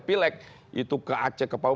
pilek itu ke aceh ke